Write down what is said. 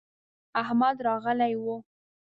احمد راغلی و.